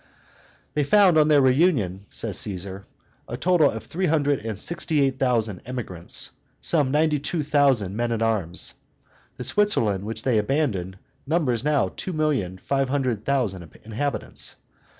They found on their reunion, says Caesar, a total of three hundred and sixty eight thousand emigrants, including ninety two thousand men at arms. The Switzerland which they abandoned numbers now two million five hundred thousand inhabitants.